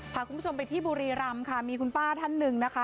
พาคุณผู้ชมไปที่บุรีรำค่ะมีคุณป้าท่านหนึ่งนะคะ